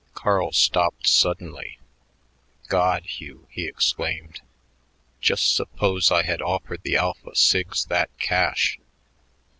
Carl stopped suddenly. "God, Hugh," he exclaimed. "Just suppose I had offered the Alpha Sigs that cash.